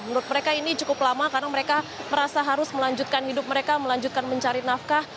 menurut mereka ini cukup lama karena mereka merasa harus melanjutkan hidup mereka melanjutkan mencari nafkah